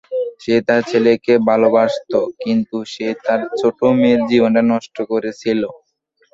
সে তার ছেলেকে ভালবাসত কিন্তু সে তার ছোট মেয়ের জীবনটা নষ্ট করেছিল।